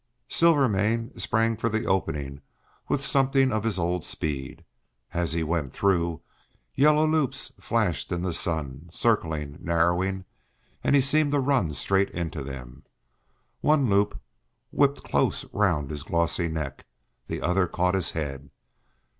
Silvermane sprang for the opening with something of his old speed. As he went through, yellow loops flashed in the sun, circling, narrowing, and he seemed to run straight into them. One loop whipped close round his glossy neck; the other caught his head.